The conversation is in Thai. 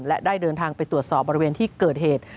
และได้เดินทางไปตรวจสอบบริเวณที่เกิดเหตุ